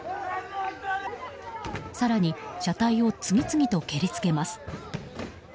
更に車体を次々と蹴りつけます。